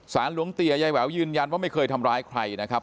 หลวงเตียยายแหววยืนยันว่าไม่เคยทำร้ายใครนะครับ